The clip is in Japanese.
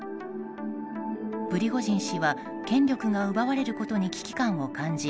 プリゴジン氏は権力が奪われることに危機感を感じ